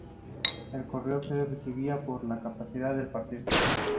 El correo se recibía por la capital del partido.